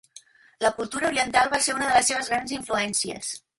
La cultura oriental va ser una de les seves grans influències.